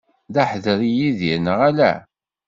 D aḥedri Yidir, neɣ ala?